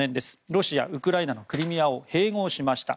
ロシア、ウクライナのクリミアを併合しました。